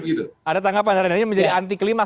jadi wade ada tanggapan apakah ini menjadi anti klima